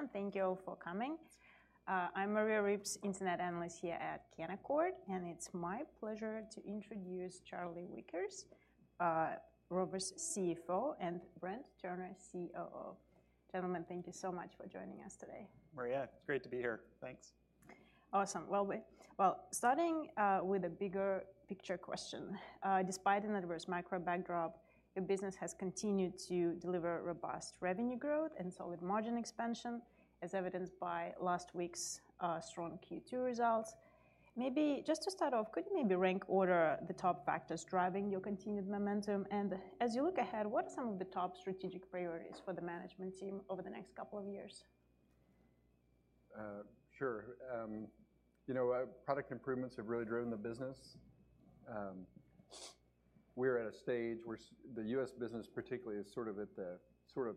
Everyone, thank you all for coming. I'm Maria Ripps, Internet Analyst here at Canaccord. It's my pleasure to introduce Charlie Wickers, Rover's CFO, and Brent Turner, COO. Gentlemen, thank you so much for joining us today. Maria, it's great to be here. Thanks. Awesome. Well, starting with a bigger picture question, despite an adverse micro backdrop, your business has continued to deliver robust revenue growth and solid margin expansion, as evidenced by last week's strong Q2 results. Maybe just to start off, could you maybe rank order the top factors driving your continued momentum? As you look ahead, what are some of the top strategic priorities for the management team over the next couple of years? Sure. You know, product improvements have really driven the business. We're at a stage where the US business particularly, is sort of at the sort of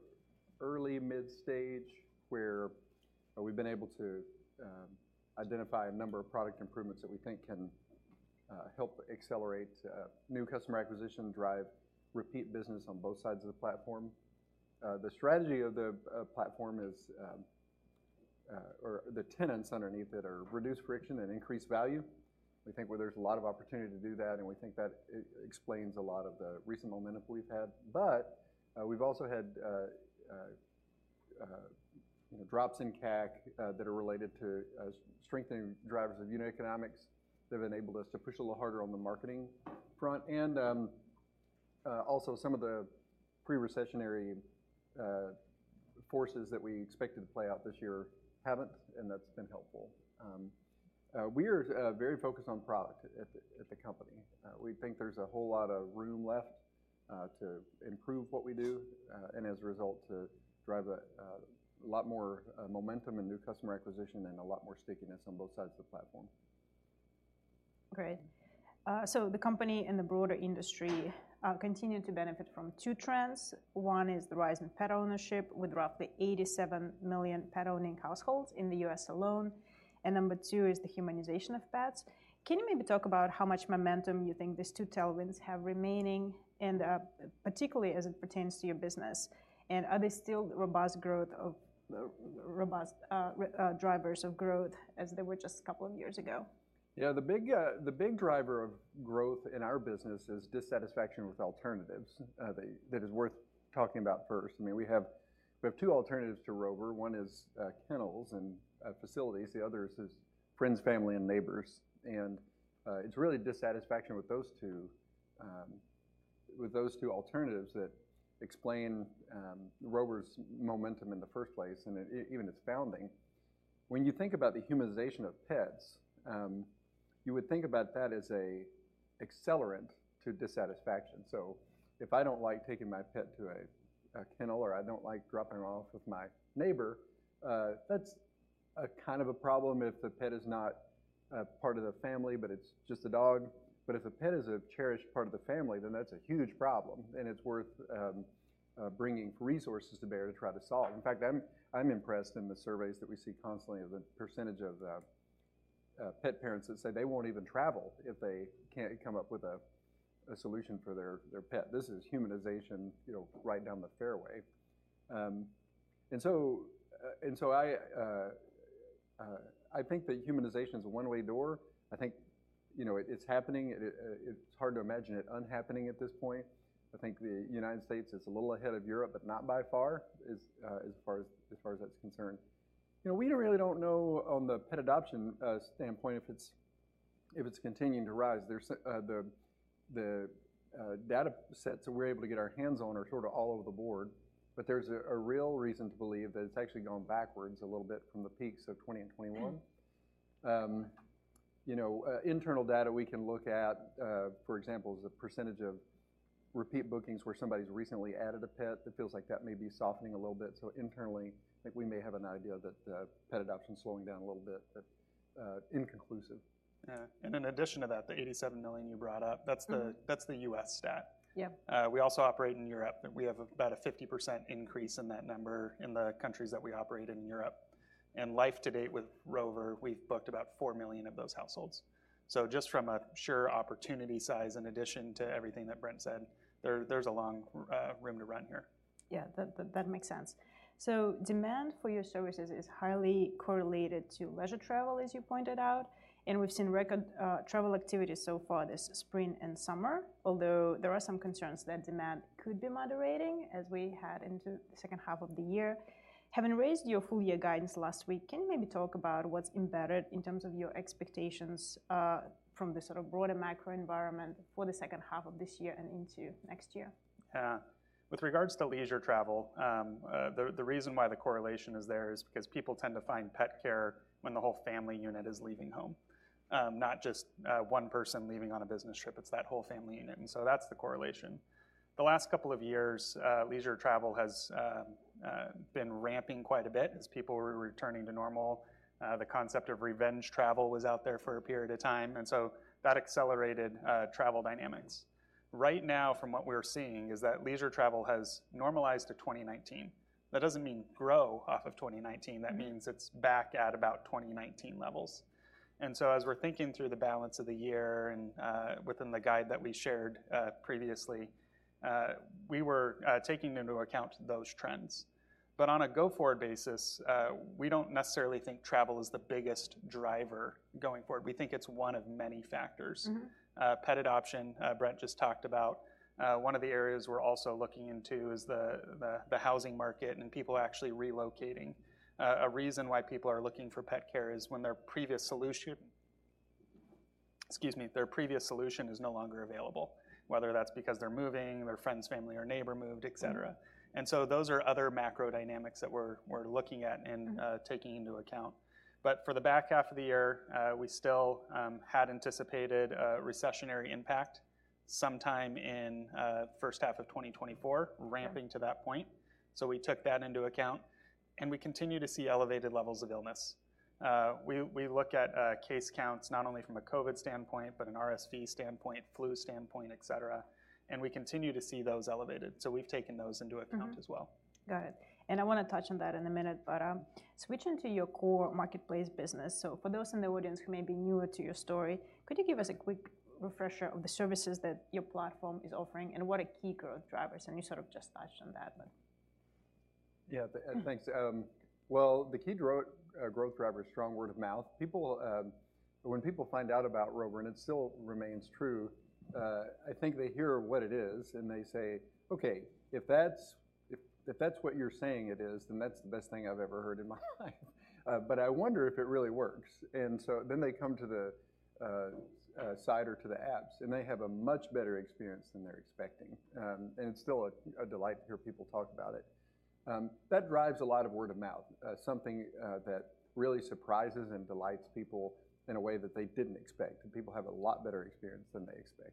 early mid stage, where we've been able to identify a number of product improvements that we think can help accelerate new customer acquisition, drive repeat business on both sides of the platform. The strategy of the platform is or the tenants underneath it are reduced friction and increased value. We think where there's a lot of opportunity to do that, and we think that explains a lot of the recent momentum we've had. We've also had, you know, drops in CAC that are related to strengthening drivers of unit economics that have enabled us to push a little harder on the marketing front. Also some of the pre-recessionary forces that we expected to play out this year haven't, and that's been helpful. We are very focused on product at the company. We think there's a whole lot of room left to improve what we do, and as a result, to drive a lot more momentum and new customer acquisition and a lot more stickiness on both sides of the platform. Great. So the company and the broader industry continue to benefit from 2 trends. 1 is the rise in pet ownership, with roughly 87 million pet-owning households in the US alone. Number 2 is the humanization of pets. Can you maybe talk about how much momentum you think these 2 tailwinds have remaining and particularly as it pertains to your business? Are they still robust growth of robust drivers of growth as they were just a couple of years ago? Yeah, the big, the big driver of growth in our business is dissatisfaction with alternatives, that, that is worth talking about first. I mean, we have, we have two alternatives to Rover. One is, kennels and facilities, the other is, is friends, family, and neighbors. It's really dissatisfaction with those two, with those two alternatives that explain, Rover's momentum in the first place, and even its founding. When you think about the humanization of pets, you would think about that as an accelerant to dissatisfaction. So if I don't like taking my pet to a, a kennel or I don't like dropping her off with my neighbor, that's a kind of a problem if the pet is not a part of the family, but it's just a dog. If a pet is a cherished part of the family, then that's a huge problem, and it's worth bringing resources to bear to try to solve. In fact, I'm, I'm impressed in the surveys that we see constantly of the percentage of pet parents that say they won't even travel if they can't come up with a solution for their pet. This is humanization, you know, right down the fairway. I think that humanization is a one-way door. I think, you know, it's happening. It, it's hard to imagine it unhappening at this point. I think the United States is a little ahead of Europe, but not by far, as far as, as far as that's concerned. You know, we don't really don't know on the pet adoption standpoint, if it's continuing to rise. There's the data sets that we're able to get our hands on are sort of all over the board, but there's a real reason to believe that it's actually gone backwards a little bit from the peaks of 2020 and 2021. You know, internal data we can look at, for example, is the percentage of repeat bookings where somebody's recently added a pet, it feels like that may be softening a little bit. Internally, I think we may have an idea that pet adoption is slowing down a little bit, but inconclusive. Yeah. In addition to that, the 87 million you brought up- Mm-hmm.... that's the, that's the US stat. Yeah. We also operate in Europe, and we have about a 50% increase in that number in the countries that we operate in in Europe. Life to date with Rover, we've booked about $4 million of those households. Just from a sheer opportunity size, in addition to everything that Brent said, there, there's a long room to run here. Yeah, that, that, makes sense. Demand for your services is highly correlated to leisure travel, as you pointed out, and we've seen record travel activity so far this spring and summer. There are some concerns that demand could be moderating as we head into the second half of the year. Having raised your full year guidance last week, can you maybe talk about what's embedded in terms of your expectations from the sort of broader macro environment for the second half of this year and into next year? Yeah. With regards to leisure travel, the, the reason why the correlation is there is because people tend to find pet care when the whole family unit is leaving home, not just one person leaving on a business trip, it's that whole family unit, and so that's the correlation. The last couple of years, leisure travel has been ramping quite a bit as people were returning to normal. The concept of revenge travel was out there for a period of time, and so that accelerated travel dynamics. Right now, from what we're seeing, is that leisure travel has normalized to 2019. That doesn't mean grow off of 2019- Mm-hmm. ...that means it's back at about 2019 levels. As we're thinking through the balance of the year and within the guide that we shared previously, we were taking into account those trends. On a go-forward basis, we don't necessarily think travel is the biggest driver going forward. We think it's one of many factors. Mm-hmm. Pet adoption, Brent just talked about. One of the areas we're also looking into is the, the, the housing market and people actually relocating. A reason why people are looking for pet care is when their previous solution-... excuse me, their previous solution is no longer available, whether that's because they're moving, their friends, family, or neighbor moved, et cetera. So those are other macro dynamics that we're, we're looking at and, taking into account. For the back half of the year, we still, had anticipated a recessionary impact sometime in, first half of 2024, ramping to that point. We took that into account, and we continue to see elevated levels of illness. We, we look at case counts not only from a COVID standpoint, but an RSV standpoint, flu standpoint, et cetera, and we continue to see those elevated. We've taken those into account as well. Got it. I wanna touch on that in a minute, but switching to your core marketplace business. For those in the audience who may be newer to your story, could you give us a quick refresher of the services that your platform is offering and what are key growth drivers? You sort of just touched on that, but. Yeah, thanks. Well, the key growth driver is strong word-of-mouth. People, when people find out about Rover, and it still remains true, I think they hear what it is and they say, "Okay, if that's, if, if that's what you're saying it is, then that's the best thing I've ever heard in my life. But I wonder if it really works." So then they come to the site or to the apps, and they have a much better experience than they're expecting. It's still a delight to hear people talk about it. That drives a lot of word-of-mouth, something that really surprises and delights people in a way that they didn't expect, and people have a lot better experience than they expect.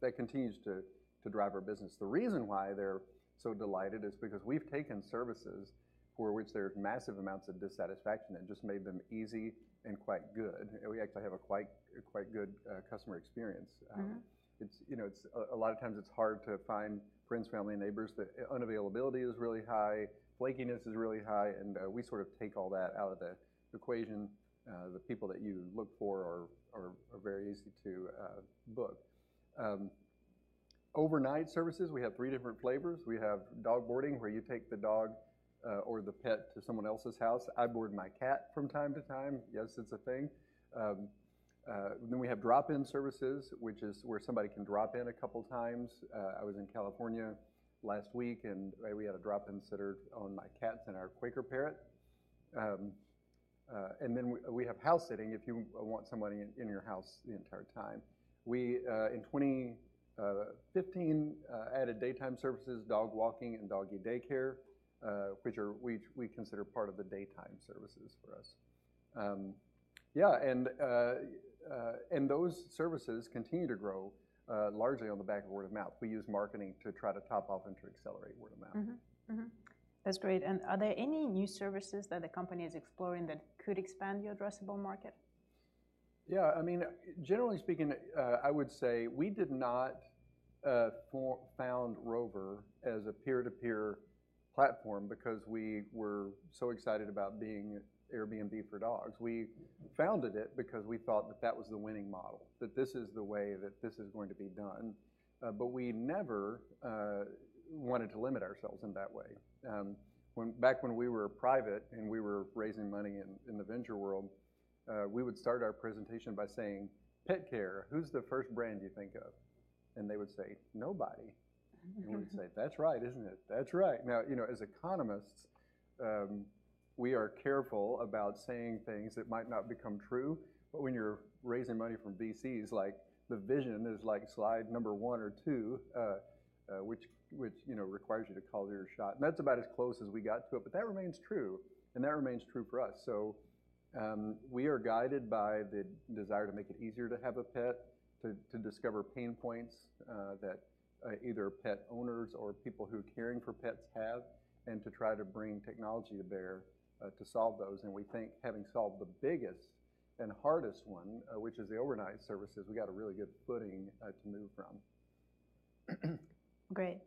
That continues to drive our business. The reason why they're so delighted is because we've taken services for which there are massive amounts of dissatisfaction and just made them easy and quite good. We actually have a quite, quite good customer experience. Mm-hmm. It's, you know, it's a lot of times it's hard to find friends, family, and neighbors. The unavailability is really high, flakiness is really high, and we sort of take all that out of the equation. The people that you look for are, are, are very easy to book. Overnight services, we have three different flavors. We have dog boarding, where you take the dog or the pet to someone else's house. I board my cat from time to time. Yes, it's a thing. We have drop-in services, which is where somebody can drop in a couple times. I was in California last week, and we had a drop-in sitter on my cats and our Quaker parrot. We, we have house sitting if you want somebody in, in your house the entire time. We in 2015 added daytime services, dog walking and doggy daycare, which are... we, we consider part of the daytime services for us. Yeah, and those services continue to grow, largely on the back of word-of-mouth. We use marketing to try to top off and to accelerate word-of-mouth. Mm-hmm. Mm-hmm. That's great. Are there any new services that the company is exploring that could expand your addressable market? Yeah, I mean, generally speaking, I would say we did not found Rover as a peer-to-peer platform because we were so excited about being Airbnb for dogs. We founded it because we thought that that was the winning model, that this is the way that this is going to be done. We never wanted to limit ourselves in that way. Back when we were private and we were raising money in, in the venture world, we would start our presentation by saying: Pet care, who's the first brand you think of? They would say: Nobody. We'd say: That's right, isn't it? That's right. You know, as economists, we are careful about saying things that might not become true, but when you're raising money from VCs, like, the vision is, like, slide number one or two, which, which, you know, requires you to call your shot. That's about as close as we got to it, but that remains true, and that remains true for us. We are guided by the desire to make it easier to have a pet, to, to discover pain points, that, either pet owners or people who are caring for pets have, and to try to bring technology to bear, to solve those. We think having solved the biggest and hardest one, which is the overnight services, we got a really good footing, to move from. Great.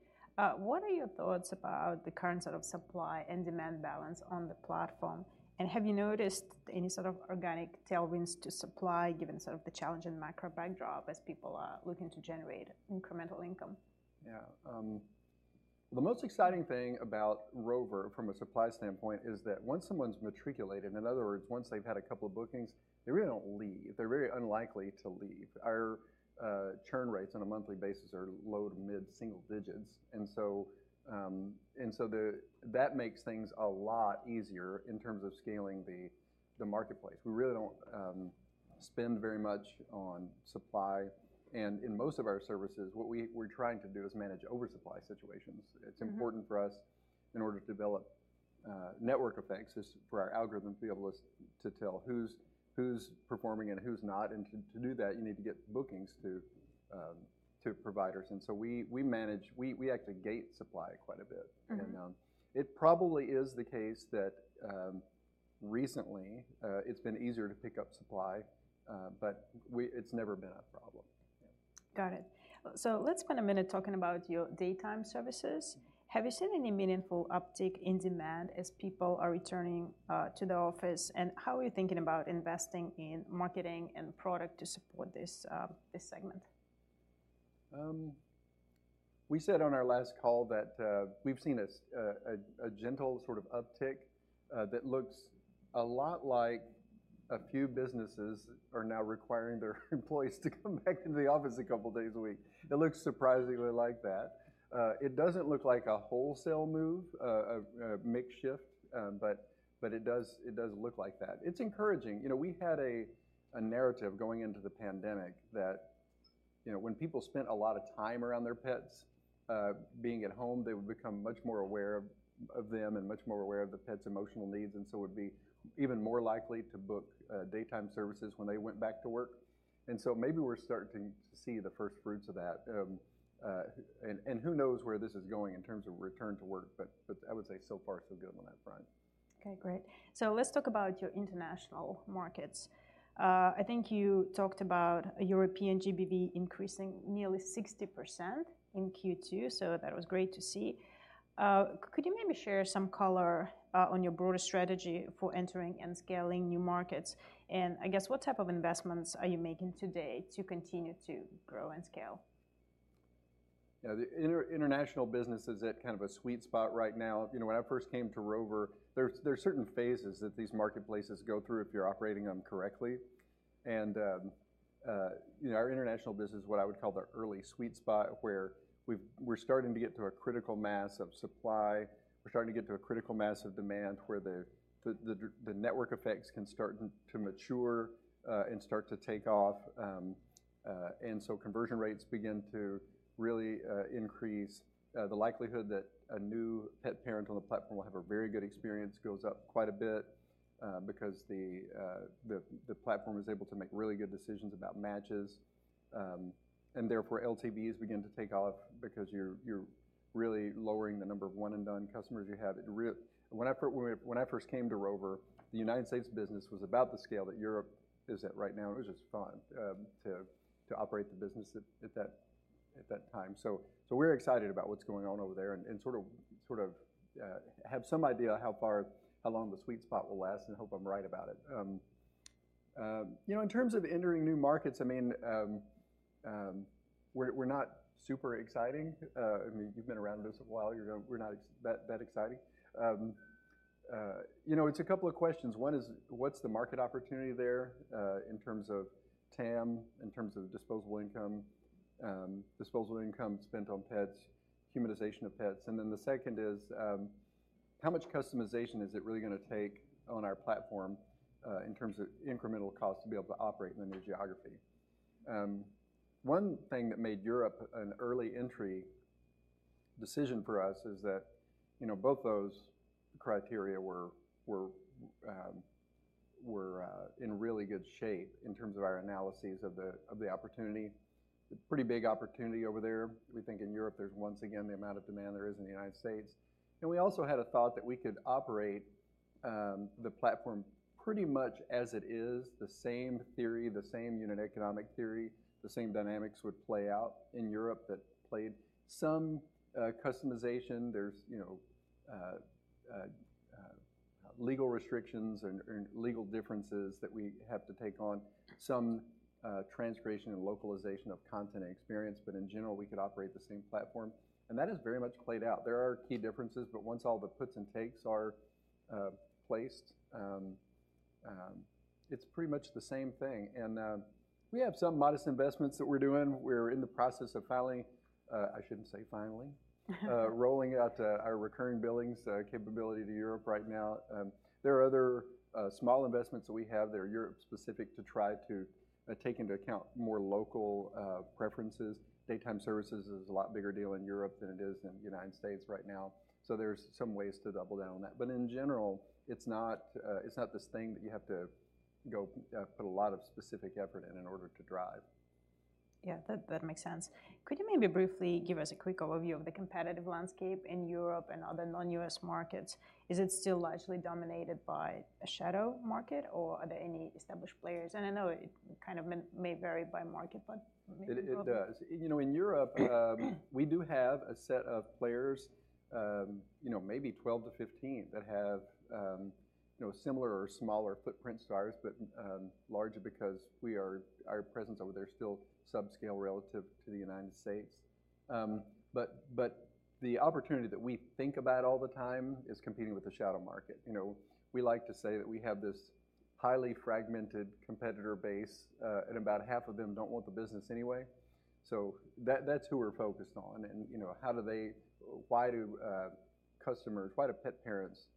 What are your thoughts about the current sort of supply and demand balance on the platform? Have you noticed any sort of organic tailwinds to supply, given sort of the challenging macro backdrop as people are looking to generate incremental income? Yeah. The most exciting thing about Rover from a supply standpoint is that once someone's matriculated, in other words, once they've had a couple of bookings, they really don't leave. They're very unlikely to leave. Our, churn rates on a monthly basis are low to mid-single digits. That makes things a lot easier in terms of scaling the marketplace. We really don't, spend very much on supply. In most of our services, we're trying to do is manage oversupply situations. Mm-hmm. It's important for us in order to develop network effects, is for our algorithm to be able to tell who's, who's performing and who's not. To do that, you need to get bookings to providers. We, we manage, we, we actually gate supply quite a bit. Mm-hmm. It probably is the case that, recently, it's been easier to pick up supply, but we- it's never been a problem. Got it. Let's spend a minute talking about your daytime services. Have you seen any meaningful uptick in demand as people are returning to the office? How are you thinking about investing in marketing and product to support this, this segment? We said on our last call that we've seen a gentle sort of uptick that looks a lot like a few businesses are now requiring their employees to come back into the office 2 days a week. It looks surprisingly like that. It doesn't look like a wholesale move, a makeshift, but, but it does, it does look like that. It's encouraging. You know, we had a narrative going into the pandemic. You know, when people spent a lot of time around their pets, being at home, they would become much more aware of, of them and much more aware of the pet's emotional needs, and so would be even more likely to book daytime services when they went back to work. So maybe we're starting to see the first fruits of that. Who knows where this is going in terms of return to work, but I would say so far, so good on that front. Okay, great. Let's talk about your international markets. I think you talked about European GBV increasing nearly 60% in Q2, so that was great to see. Could you maybe share some color on your broader strategy for entering and scaling new markets? I guess, what type of investments are you making today to continue to grow and scale? Yeah, the international business is at kind of a sweet spot right now. You know, when I first came to Rover, there's, there's certain phases that these marketplaces go through if you're operating them correctly. You know, our international business is what I would call the early sweet spot, where we're starting to get to a critical mass of supply. We're starting to get to a critical mass of demand, where the, the, the, the network effects can start to, to mature and start to take off. So conversion rates begin to really increase, the likelihood that a new pet parent on the platform will have a very good experience goes up quite a bit because the, the, the platform is able to make really good decisions about matches. Therefore, LTVs begin to take off because you're, you're really lowering the number of one and done customers you have. When I first came to Rover, the United States business was about the scale that Europe is at right now. It was just fun to operate the business at that time. We're excited about what's going on over there and sort of have some idea how far, how long the sweet spot will last, and hope I'm right about it. You know, in terms of entering new markets, I mean, we're, we're not super exciting. I mean, you've been around us a while, you know we're not that exciting. You know, it's a couple of questions. One is, what's the market opportunity there, in terms of TAM, in terms of disposable income, disposable income spent on pets, humanization of pets? The second is, how much customization is it really gonna take on our platform, in terms of incremental cost to be able to operate in a new geography? One thing that made Europe an early entry decision for us is that, you know, both those criteria were, were, were in really good shape in terms of our analyses of the opportunity. Pretty big opportunity over there. We think in Europe, there's once again, the amount of demand there is in the United States. We also had a thought that we could operate the platform pretty much as it is, the same theory, the same unit economic theory, the same dynamics would play out in Europe that played. Some customization, there's, you know, legal restrictions or, or legal differences that we have to take on, some translation and localization of content and experience, but in general, we could operate the same platform, and that has very much played out. There are key differences, but once all the puts and takes are placed, it's pretty much the same thing. We have some modest investments that we're doing. We're in the process of finally, I shouldn't say finally, rolling out our recurring billings capability to Europe right now. There are other small investments that we have that are Europe-specific to try to take into account more local preferences. Daytime services is a lot bigger deal in Europe than it is in the United States right now, there's some ways to double down on that. In general, it's not, it's not this thing that you have to go put a lot of specific effort in in order to drive. Yeah, that, that makes sense. Could you maybe briefly give us a quick overview of the competitive landscape in Europe and other non-US markets? Is it still largely dominated by a shadow market, or are there any established players? I know it kind of may vary by market, but maybe briefly. It, it does. You know, in Europe, we do have a set of players, you know, maybe 12-15, that have, you know, similar or smaller footprints to ours, but largely because we are... our presence over there is still subscale relative to the United States. The opportunity that we think about all the time is competing with the shadow market. You know, we like to say that we have this highly fragmented competitor base, and about half of them don't want the business anyway. That, that's who we're focused on, and, you know, how do they... why do customers, why do pet parents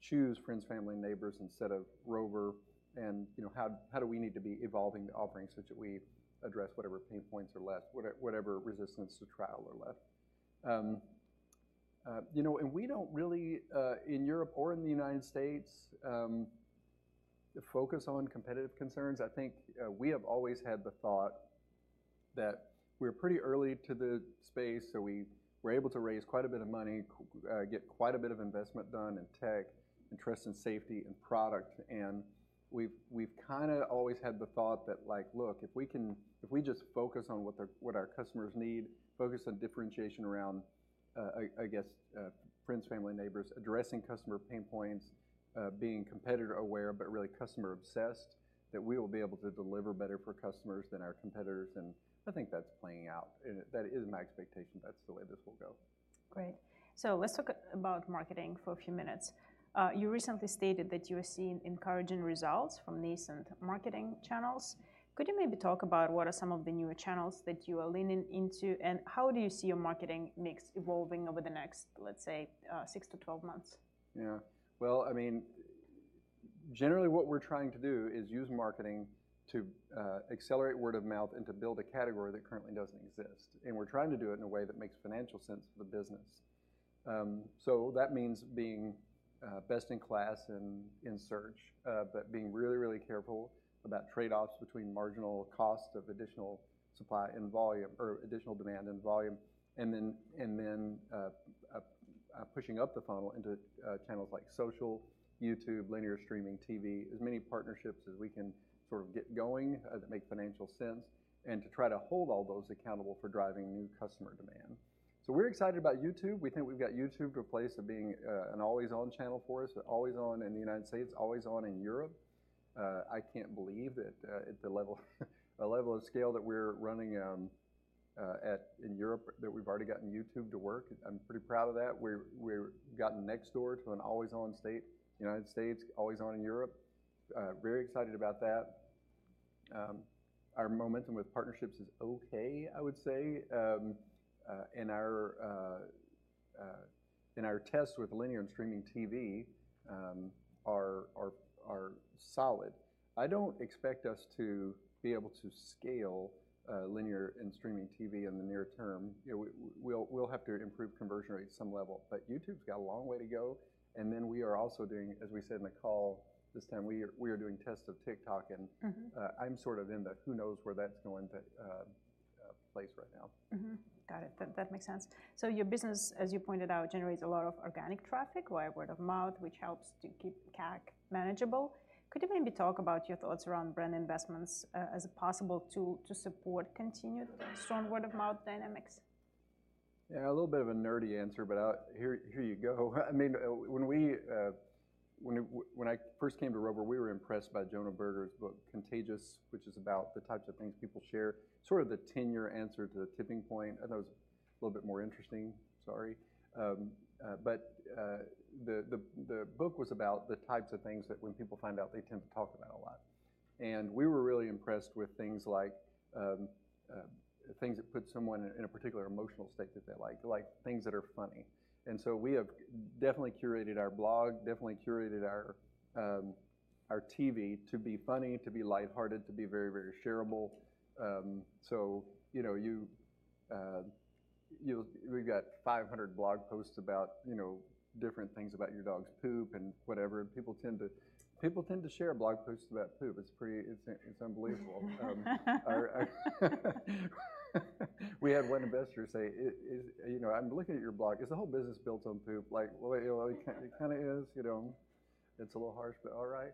choose friends, family, and neighbors instead of Rover? You know, how, how do we need to be evolving the offering so that we address whatever pain points are left, whatever resistance to trial are left? You know, and we don't really in Europe or in the United States, focus on competitive concerns. I think we have always had the thought that we're pretty early to the space, so we were able to raise quite a bit of money, get quite a bit of investment done in tech, and trust, and safety, and product. We've, we've kinda always had the thought that, like, Look, if we just focus on what our, what our customers need, focus on differentiation around, I, I guess, friends, family, neighbors, addressing customer pain points, being competitor aware, but really customer obsessed, that we will be able to deliver better for customers than our competitors, and I think that's playing out. That is my expectation that's the way this will go. Great. Let's talk about marketing for a few minutes. You recently stated that you are seeing encouraging results from nascent marketing channels. Could you maybe talk about what are some of the newer channels that you are leaning into, and how do you see your marketing mix evolving over the next, let's say, six to twelve months? Yeah. Well, I mean, generally, what we're trying to do is use marketing to accelerate word-of-mouth and to build a category that currently doesn't exist, and we're trying to do it in a way that makes financial sense for the business. That means being best in class in, in search, but being really, really careful about trade-offs between marginal cost of additional supply and volume, or additional demand and volume, and then, and then, pushing up the funnel into channels like social, YouTube, linear streaming, TV, as many partnerships as we can sort of get going, that make financial sense, and to try to hold all those accountable for driving new customer demand. We're excited about YouTube. We think we've got YouTube to a place of being an always-on channel for us, always on in the United States, always on in Europe. I can't believe that at the level, the level of scale that we're running at in Europe, that we've already gotten YouTube to work. I'm pretty proud of that. We're gotten next door to an always-on state, United States, always on in Europe. Very excited about that. Our momentum with partnerships is okay, I would say. Our tests with linear and streaming TV are solid. I don't expect us to be able to scale linear and streaming TV in the near term. You know, we'll have to improve conversion rate at some level. YouTube's got a long way to go. Then we are also doing, as we said in the call this time, we are doing tests of TikTok. Mm-hmm. I'm sort of in the who-knows-where-that's-going to place right now. Mm-hmm. Got it. That, that makes sense. Your business, as you pointed out, generates a lot of organic traffic via word of mouth, which helps to keep CAC manageable. Could you maybe talk about your thoughts around brand investments as a possible tool to support continued strong word-of-mouth dynamics? Yeah, a little bit of a nerdy answer, but, here, here you go. I mean, when I first came to Rover, we were impressed by Jonah Berger's book, Contagious, which is about the types of things people share, sort of the 10-year answer to the tipping point. That was a little bit more interesting. Sorry. The, the, the book was about the types of things that when people find out, they tend to talk about a lot. We were really impressed with things like, things that put someone in a particular emotional state that they like, like things that are funny. We have definitely curated our blog, definitely curated our, our TV to be funny, to be light-hearted, to be very, very shareable. You know, you, we've got 500 blog posts about, you know, different things about your dog's poop and whatever, and people tend to, people tend to share blog posts about poop. It's pretty... It's, it's unbelievable. We had one investor say, "It is, you know, I'm looking at your blog. Is the whole business built on poop?" Like, well, it kind of is, you know. It's a little harsh, but all right.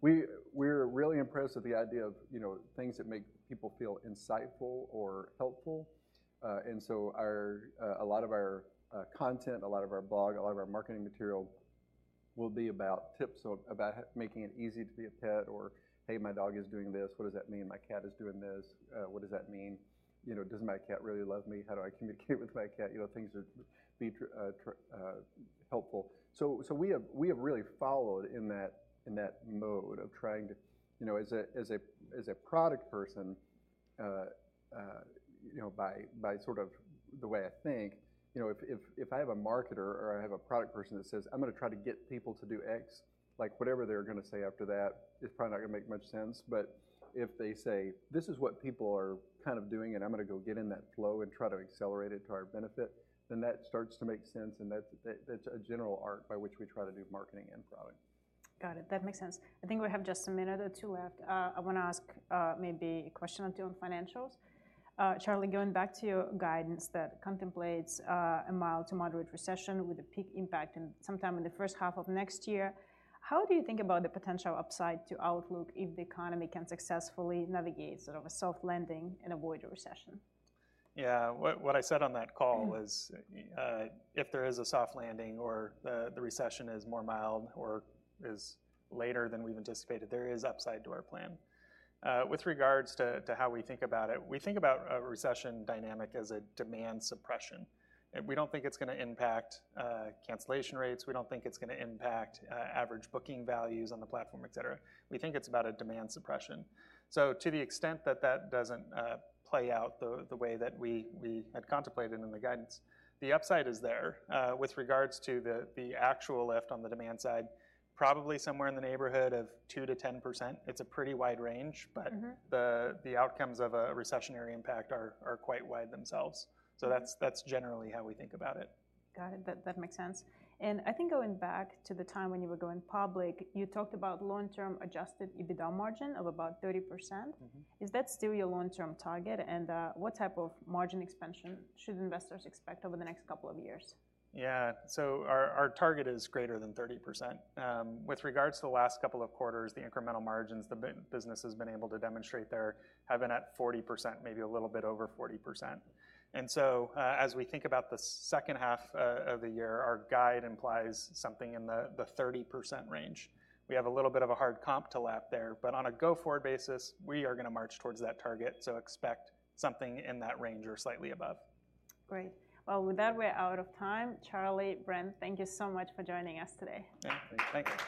We, we're really impressed with the idea of, you know, things that make people feel insightful or helpful. Our, a lot of our content, a lot of our blog, a lot of our marketing material will be about tips on about making it easy to be a pet, or, "Hey, my dog is doing this, what does that mean? My cat is doing this, what does that mean?" You know, "Does my cat really love me? How do I communicate with my cat?" You know, things that be helpful. So, we have really followed in that mode of trying to... You know, as a product person, you know, by sort of the way I think, if I have a marketer or I have a product person that says, "I'm gonna try to get people to do X," like, whatever they're gonna say after that, it's probably not gonna make much sense. If they say, "This is what people are kind of doing, and I'm gonna go get in that flow and try to accelerate it to our benefit," then that starts to make sense, and that's, that, that's a general arc by which we try to do marketing and product. Got it. That makes sense. I think we have just a minute or two left. I wanna ask, maybe a question or two on financials. Charlie, going back to your guidance that contemplates, a mild to moderate recession with a peak impact in sometime in the first half of next year, how do you think about the potential upside to outlook if the economy can successfully navigate sort of a soft landing and avoid a recession? Yeah, what, what I said on that call. Mm. If there is a soft landing or the, the recession is more mild or is later than we've anticipated, there is upside to our plan. With regards to, to how we think about it, we think about a recession dynamic as a demand suppression. We don't think it's gonna impact, cancellation rates. We don't think it's gonna impact, average booking values on the platform, et cetera. We think it's about a demand suppression. To the extent that that doesn't, play out the, the way that we, we had contemplated in the guidance, the upside is there. With regards to the, the actual lift on the demand side, probably somewhere in the neighborhood of 2%-10%. It's a pretty wide range. Mm-hmm. The outcomes of a recessionary impact are quite wide themselves. That's generally how we think about it. Got it. That, that makes sense. I think going back to the time when you were going public, you talked about long-term adjusted EBITDA margin of about 30%. Mm-hmm. Is that still your long-term target? What type of margin expansion should investors expect over the next couple of years? Yeah, our, our target is greater than 30%. With regards to the last couple of quarters, the incremental margins, the business has been able to demonstrate there have been at 40%, maybe a little bit over 40%. As we think about the second half of the year, our guide implies something in the 30% range. We have a little bit of a hard comp to lap there, but on a go-forward basis, we are gonna march towards that target. Expect something in that range or slightly above. Great. Well, with that, we're out of time. Charlie, Brent, thank you so much for joining us today. Yeah. Thank you.